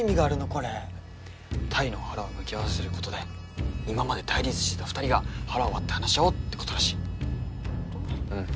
これ鯛の腹を向き合わせることで今まで対立してた２人が腹を割って話し合おうってことらしい本当に？